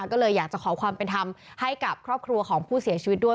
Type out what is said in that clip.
ก็เลยอยากจะขอความเป็นธรรมให้กับครอบครัวของผู้เสียชีวิตด้วย